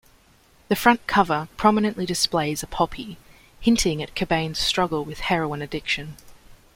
The front cover prominently displays a poppy, hinting at Cobain's struggle with heroin addiction.